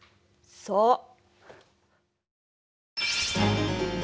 そう！